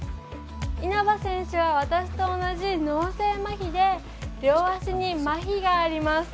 稲葉選手は私と同じ脳性まひで両足に、まひがあります。